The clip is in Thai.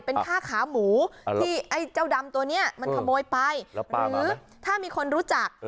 เป็นค่าขาหมูที่ไอ้เจ้าดำตัวนี้มันขโมยไปหรือถ้ามีคนรู้จัก